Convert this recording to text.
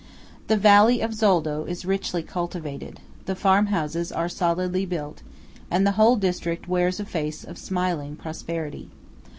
The Valley of Zoldo is richly cultivated; the farmhouses are solidly built; and the whole district wears a face of smiling prosperity.